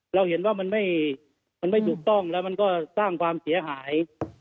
เราเห็นว่ามันไม่ถูกต้องแล้วมันก็สร้างความเสียหาย